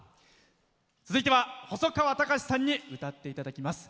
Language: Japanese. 続いては、細川たかしさんに歌っていただきます。